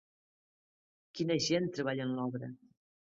Quina gent treballa en l'obra!